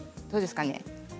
どうですかね。